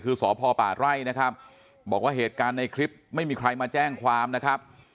คือสพป่าไร่นะครับบอกว่าเหตุการณ์ในคลิปไม่มีใครมาแจ้งความนะครับ